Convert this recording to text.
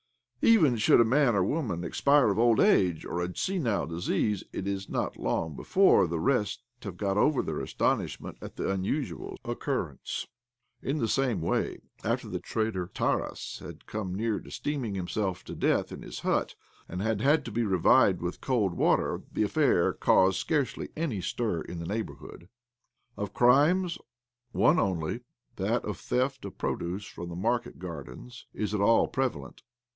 Even should a man or a woman expire of old age or a senile disease, it is not long before the rest have got over their astonishment at the imusual occurrence. In the same wajy, after the trader Tarass had come near to steaming himself to death in his hut, and had had to be revived! with' OBLOMOV 85 cold water, the affair caused scarcely any stir in the neighbourhood. Of crimesj one only — that of theft of produce from market gardens — is at all prevalent.